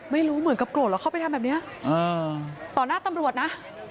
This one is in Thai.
ไม่รู้เหมือนกับโกรธแล้วเข้าไปทำแบบนี้ต่อหน้าตำรวจนะ